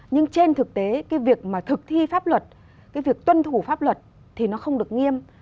nhưng trên thực tế cái việc mà thực thi pháp luật cái việc tuân thủ pháp luật thì nó không được nghiêm